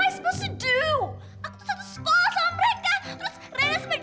aku tuh satu sekolah sama mereka terus renek sama jessi